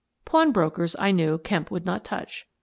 Pawnbrokers I knew Kemp would not touch.